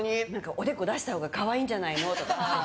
おでこ出したほうが可愛いんじゃないの？とか。